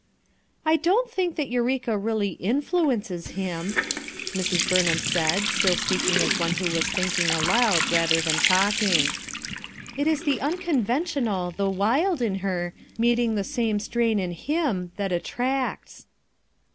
"I don't think that Eureka really influences him," Mrs. Burnham said, still speaking as one who was thinking aloud, rather than talking. "It is the unconventional, the wild in her, meet ing the same strain in him, that attracts."